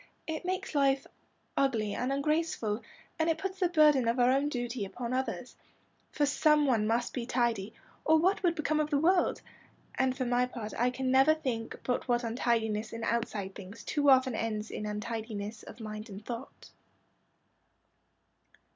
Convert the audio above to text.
It makes life ugly and ungraceful, and it puts the burden of our own duty on others. For some one must be tidy, or what would become of the world? And for my part I can never think but what untidiness in outside things too often ends in untidiness of mind and thought."